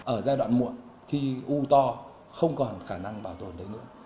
ở giai đoạn muộn khi u to không còn khả năng bảo tồn